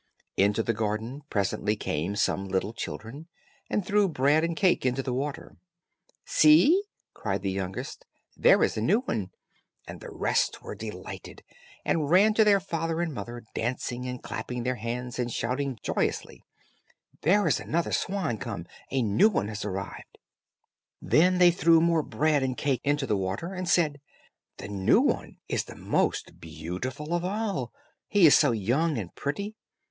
Into the garden presently came some little children, and threw bread and cake into the water. "See," cried the youngest, "there is a new one;" and the rest were delighted, and ran to their father and mother, dancing and clapping their hands, and shouting joyously, "There is another swan come; a new one has arrived." Then they threw more bread and cake into the water, and said, "The new one is the most beautiful of all; he is so young and pretty."